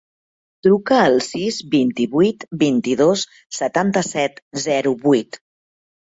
Truca al sis, vint-i-vuit, vint-i-dos, setanta-set, zero, vuit.